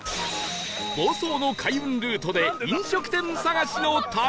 房総の開運ルートで飲食店探しの旅